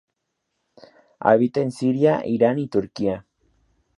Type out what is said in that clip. Habita en Siria, Irán y Turquía.